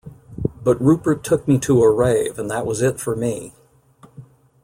But Rupert took me to a rave, and that was it for me.